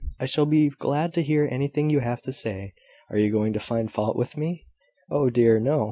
"I shall be glad to hear anything you have to say. Are you going to find fault with me?" "Oh dear, no!